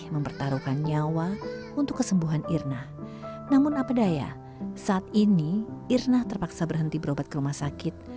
mempertaruhkan nyawa untuk kesembuhan irna namun apa daya saat ini irna terpaksa berhenti berobat ke rumah sakit